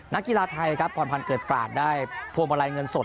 นักกีฬาไทยอย่างพรพันธุ์เกิดปราตได้โพลมะรายเงินสด